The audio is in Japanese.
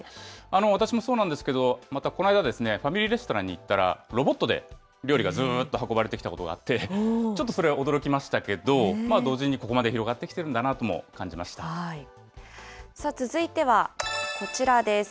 私もそうなんですけれども、またこの間、ファミリーレストランに行ったら、ロボットで料理がずっと運ばれてきたことがあって、ちょっとそれ、驚きましたけど、同時にここまで広がってきているん続いては、こちらです。